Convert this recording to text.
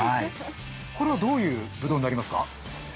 これはどういうぶどうになりますか？